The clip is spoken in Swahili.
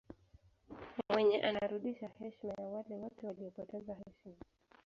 mwenge unarudisha heshima ya wale wote waliopoteza heshima